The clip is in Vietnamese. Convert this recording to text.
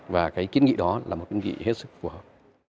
và cái kiến nghị đó là một kiến nghị hết sức phù hợp